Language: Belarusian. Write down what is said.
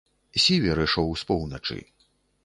Сівер ішоў з поўначы.